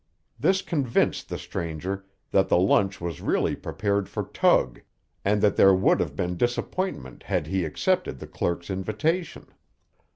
This convinced the stranger that the lunch was really prepared for Tug, and that there would have been disappointment had he accepted the clerk's invitation.